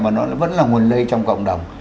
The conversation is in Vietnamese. mà nó vẫn là nguồn lây trong cộng đồng